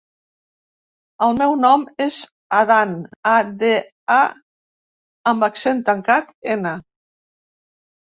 El meu nom és Adán: a, de, a amb accent tancat, ena.